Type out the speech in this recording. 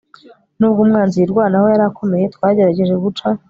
nubwo umwanzi yirwanaho yari akomeye, twagerageje guca